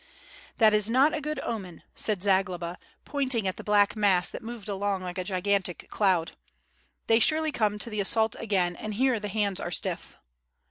"That is not a good omen,'' said Zagloba, pointing at the black mass that moved along like a gigantic cloud. "They surely come to the assault again and here the hands are stiff.''